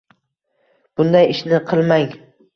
Bunday ishni qilmang!